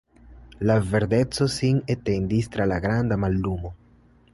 Ia verdeco sin etendis tra la granda mallumo.